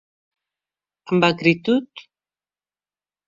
-Amb acritud?